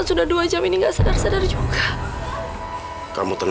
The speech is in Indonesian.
sampai jumpa di video selanjutnya